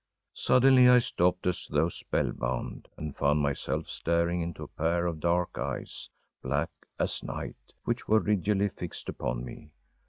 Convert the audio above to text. Suddenly I stopped as though spellbound, and found myself staring into a pair of dark eyes, black as night, which were rigidly fixed upon me.